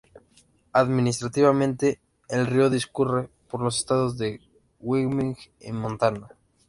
Administrativamente, el río discurre por los estados de Wyoming y Montana.